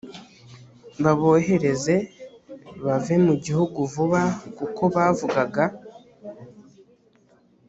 babohereze bave mu gihugu vuba kuko bavugaga